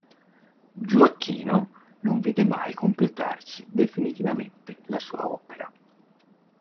Gioacchino non vide mai completarsi definitivamente la sua opera.